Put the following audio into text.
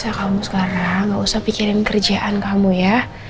masa kamu sekarang gak usah pikirin kerjaan kamu ya